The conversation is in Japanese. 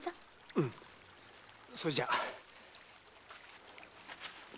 うんそれじゃ。